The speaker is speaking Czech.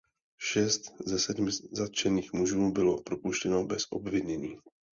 Šest ze sedmi zatčených mužů bylo propuštěno bez obvinění.